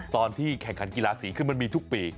ตอนที่แข่งขันกีฬาสีคือมันมีทุกปี